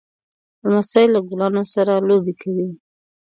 لمسی له ګلانو سره لوبې کوي.